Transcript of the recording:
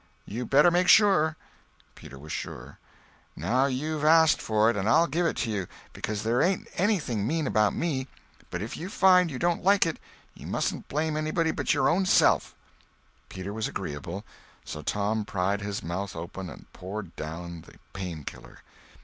"You better make sure." Peter was sure. "Now you've asked for it, and I'll give it to you, because there ain't anything mean about me; but if you find you don't like it, you mustn't blame anybody but your own self." Peter was agreeable. So Tom pried his mouth open and poured down the Pain killer.